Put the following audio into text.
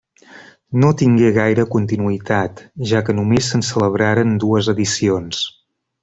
No tingué gaire continuïtat, ja que només se'n celebraren dues edicions.